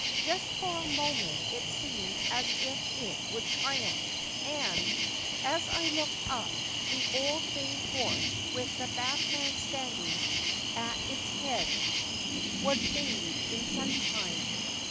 Just for a moment it seemed as if it would triumph, and, as I looked up, the old bay horse with the batman standing at his head was bathed in sunshine.